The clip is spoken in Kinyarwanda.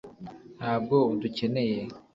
ntabwo udukeneye